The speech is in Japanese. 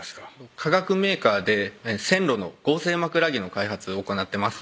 化学メーカーで線路の合成枕木の開発を行ってます